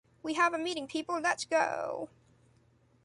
We have a meeting, people. Let's go.